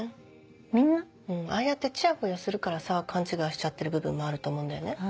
ああやってチヤホヤするからさ勘違いしちゃってる部分もあると思うんだよね。